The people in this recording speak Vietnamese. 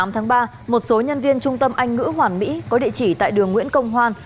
tám tháng ba một số nhân viên trung tâm anh ngữ hoàn mỹ có địa chỉ tại đường nguyễn công hoan